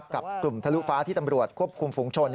กับกลุ่มทะลุฟ้าที่ตำรวจควบคุมฝุงชน